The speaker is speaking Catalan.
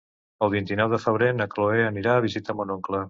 El vint-i-nou de febrer na Chloé anirà a visitar mon oncle.